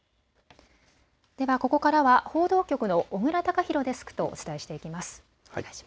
では、ここからは報道局の小椋崇広デスクとお伝えしていきます。